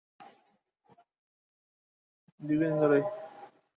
ব্যবসা-বাণিজ্যে ইউরোপীয়দের সঙ্গে সহযোগিতা চলে আসছিল দীর্ঘদিন ধরেই।